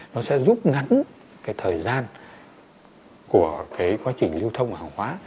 nó sẽ giúp ngắn cái thời gian của cái quá trình lưu thông hàng hóa